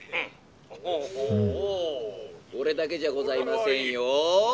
「これだけじゃございませんよ。